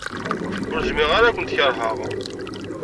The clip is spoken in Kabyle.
Ur zmireɣ ara ad kent-keṛheɣ.